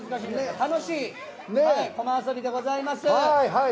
楽しい、こま遊びでございます。